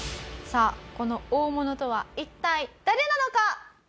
さあこの大物とは一体誰なのか？